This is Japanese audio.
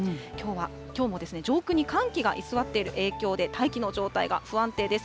きょうも上空に寒気が居座っている影響で、大気の状態が不安定です。